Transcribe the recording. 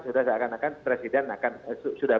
sudah seakan akan presiden sudah